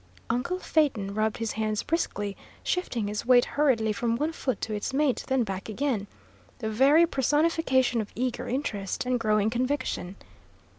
Uncle Phaeton rubbed his hands briskly, shifting his weight hurriedly from one foot to its mate, then back again, the very personification of eager interest and growing conviction.